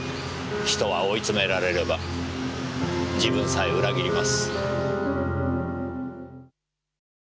人は追い詰められれば自分さえ裏切ります。